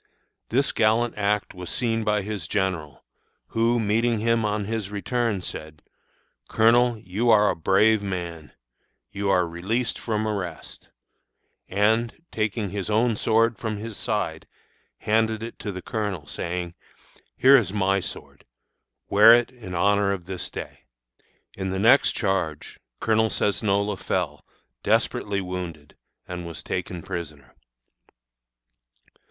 This gallant act was seen by his general, who, meeting him on his return, said: 'Colonel, you are a brave man; you are released from arrest;' and, taking his own sword from his side, handed it to the colonel, saying: 'Here is my sword; wear it in honor of this day!' In the next charge Colonel Cesnola fell, desperately wounded, and was taken prisoner.